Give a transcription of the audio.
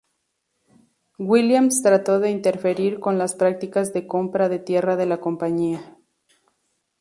Williams trató de interferir con las prácticas de compra de tierra de la compañía.